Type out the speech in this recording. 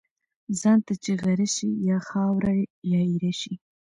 ځان ته چی غره شی ، یا خاوري یا ايره شی .